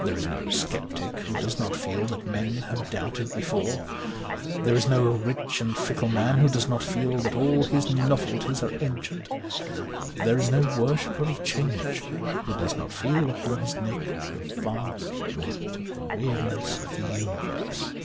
There is no sceptic who does not feel that men have doubted before. There is no rich and fickle man who does not feel that all his novelties are ancient. There is no worshipper of change who does not feel upon his neck the vast weight of the weariness of the universe.